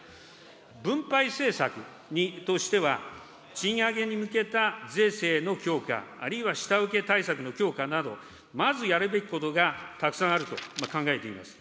分配政策としては、賃上げに向けた税制の強化、あるいは下請け対策の強化など、まずやるべきことがたくさんあると考えています。